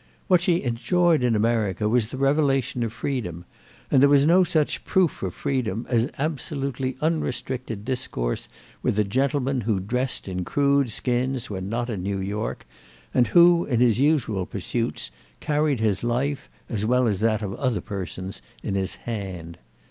What she enjoyed in America was the revelation of freedom, and there was no such proof of freedom as absolutely unrestricted discourse with a gentleman who dressed in crude skins when not in New York and who, in his usual pursuits, carried his life—as well as that of other persons—in his hand.